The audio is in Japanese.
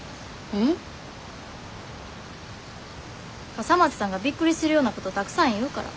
笠松さんがびっくりするようなことたくさん言うから。